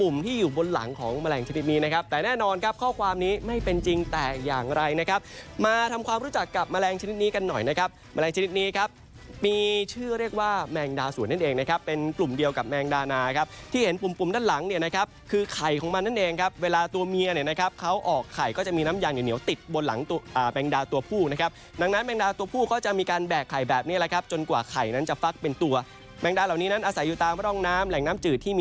มีความลักษณะเป็นสีน้ำตาลสิ่งที่ดำให้ดูน่ากลัวก็คือมีความลักษณะเป็นสีน้ำตาลสิ่งที่ดำให้ดูน่ากลัวก็คือมีความลักษณะเป็นสีน้ำตาลสิ่งที่ดำให้ดูน่ากลัวก็คือมีความลักษณะเป็นสีน้ำตาลสิ่งที่ดำให้ดูน่ากลัวก็คือมีความลักษณะเป็นสีน้ำตาลสิ่งที่ด